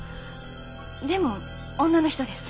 でも女の人です。